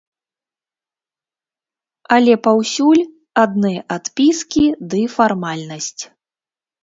Але паўсюль адны адпіскі ды фармальнасць.